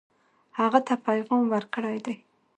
هغه ته پیغام ورکړی دی.